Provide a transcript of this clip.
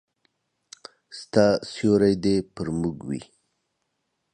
ستا سیوری دي پر موږ وي